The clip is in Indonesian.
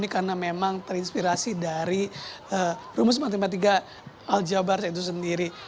karena memang terinspirasi dari rumus matematika al jabar itu sendiri